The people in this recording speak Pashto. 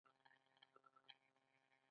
ایا تاسو ځوابونه لرئ؟